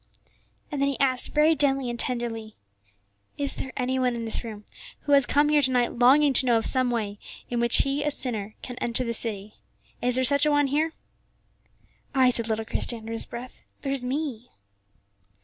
And then he asked very gently and tenderly, "Is there any one in this room who has come here to night longing to know of some way in which he, a sinner, can enter the city? Is there such an one here?" "Ay," said little Christie under his breath; "there's me."